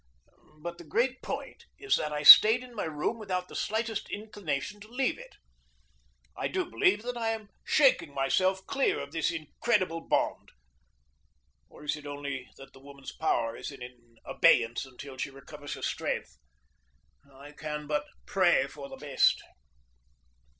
But the great point is that I stayed in my room without the slightest inclination to leave it. I do believe that I am shaking myself clear of this incredible bond or is it only that the woman's power is in abeyance until she recovers her strength? I can but pray for the best.